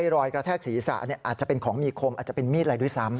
รอยกระแทกศีรษะอาจจะเป็นของมีคมอาจจะเป็นมีดอะไรด้วยซ้ำ